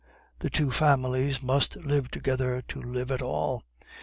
The two families must live together to live at all.